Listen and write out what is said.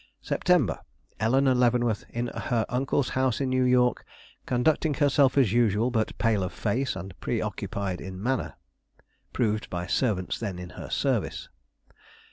_ "September. Eleanore Leavenworth in her uncle's house in New York, conducting herself as usual, but pale of face and preoccupied in manner. _Proved by servants then in her service.